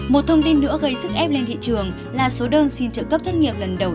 một thông tin nữa gây sức ép lên thị trường là số đơn xin trợ cấp thất nghiệp lần đầu